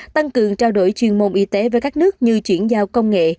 tăng cường trao đổi chuyên môn y tế với các nước như chuyển giao công nghệ